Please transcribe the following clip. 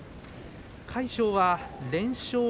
魁勝は連勝